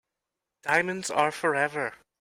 Diamonds are forever.